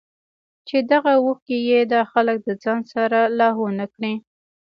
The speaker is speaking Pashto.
چې دغه اوښکې ئې دا خلک د ځان سره لاهو نۀ کړي